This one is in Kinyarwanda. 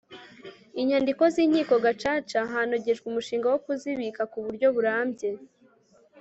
inyandiko z'inkiko gacaca hanogejwe umushinga wo kuzibika ku buryo burambye